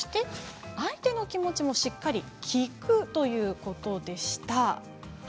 相手の気持ちもしっかり聞くということでした。